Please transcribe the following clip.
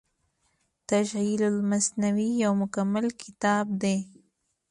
تشعيل المثنوي يو مکمل کتاب دی